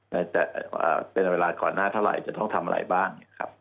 แต่เป็นเวลาก่อนหน้าเท่าไหร่จะต้องทำอะไรบ้าง